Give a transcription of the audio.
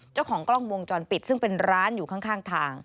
เจ้าของกล้องวงจรปิดซึ่งเป็นร้านอยู่ข้างทาง